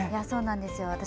そうなんですよ。